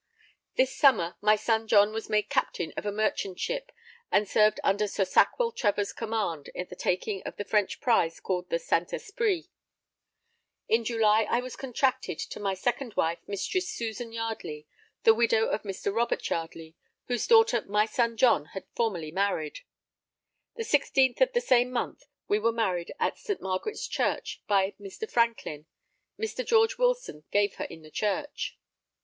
This summer, my son John was made captain of a merchant ship, and served under Sir Sackvill Trevor's command at the taking of the French prize called the St. Esprit. In July, I was contracted to my second wife Mistress Susan Yardley, the widow of Mr. Robert Yardley, whose daughter my son John had formerly married. The 16th of the same month we were married at St. Margaret's Church, by Mr. Franklyn; Mr. George Wilson gave her in the church.